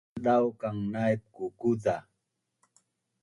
maldaukang naip kukuza